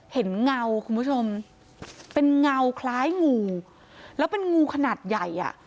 เงาคุณผู้ชมเป็นเงาคล้ายงูแล้วเป็นงูขนาดใหญ่อ่ะ